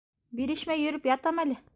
Бирешмәй йөрөп ятам әле.